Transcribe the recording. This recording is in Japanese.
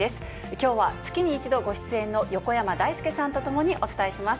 きょうは月に１度ご出演の横山だいすけさんと共にお伝えします。